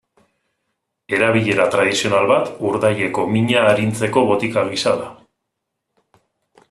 Erabilera tradizional bat urdaileko mina arintzeko botika gisa da.